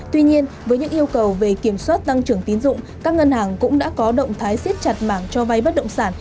tuy nhiên với những yêu cầu về kiểm soát tăng trưởng tín dụng các ngân hàng cũng đã có động thái siết chặt mảng cho vay bất động sản